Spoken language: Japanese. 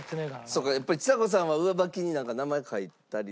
そうかやっぱりちさ子さんは上履きに名前書いてあげたり。